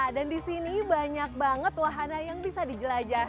dan disini banyak banget wahana yang bisa dijelajah